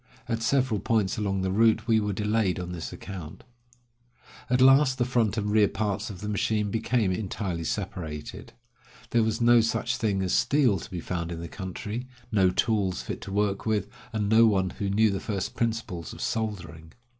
At several points along the route we were delayed on this account. At last the front and rear parts of the machine became entirely separated. There was no such thing as steel to be found in the country, no tools fit to work with, and no one who knew the first principles of soldering.